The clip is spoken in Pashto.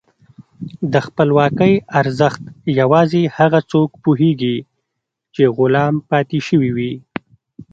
د خپلواکۍ ارزښت یوازې هغه څوک پوهېږي چې غلام پاتې شوي وي.